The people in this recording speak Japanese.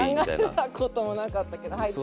考えたこともなかったけどはい。